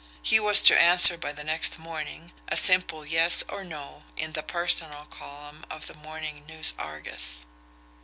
He was to answer by the next morning, a simple "yes" or "no" in the personal column of the morning NEWS ARGUS.